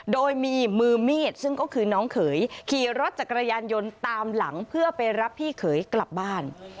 โดยมีมือมีดซึ่งก็คือน้องเขยขี่รถจักรยานยนต์ตามหลังเพื่อไปรับพี่เขยกลับบ้าน